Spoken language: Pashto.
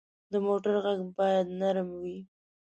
د موټر غږ باید نرم وي.